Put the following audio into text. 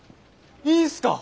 いいんすか？